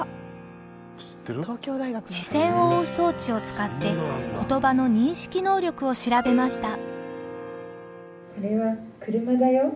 視線を追う装置を使って言葉の認識能力を調べました。